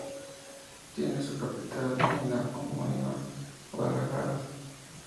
Tiene su capital en la homónima Guadalajara.